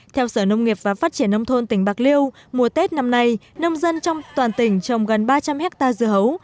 theo sở nông nghiệp và phát triển nông thôn tỉnh bạc liêu mùa tết năm nay nông dân trong toàn tỉnh trồng gần ba trăm linh hectare dưa hấu